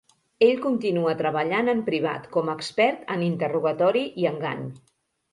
Ell continua treballant en privat com a expert en interrogatori i engany.